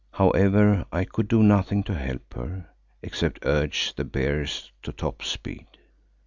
However I could do nothing to help her, except urge the bearers to top speed.